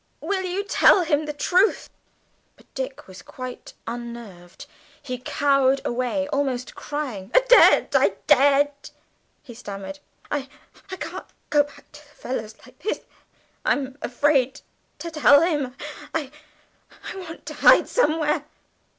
Will you tell him the truth?" But Dick was quite unnerved, he cowered away, almost crying; "I daren't, I daren't," he stammered; "I I can't go back to the fellows like this. I'm afraid to tell him. I I want to hide somewhere."